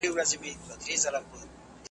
له ستوني د لر او بر یو افغان چیغه را وزي .